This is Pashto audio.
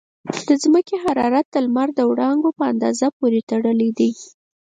د ځمکې حرارت د لمر د وړانګو په اندازه پورې تړلی دی.